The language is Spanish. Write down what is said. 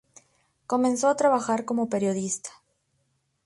Comenzó a trabajar como periodista.